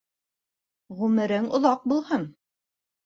Ғүмерең оҙаҡ булһын.